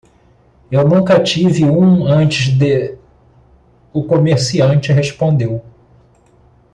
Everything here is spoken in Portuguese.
"Eu nunca tive um antes de?" o comerciante respondeu.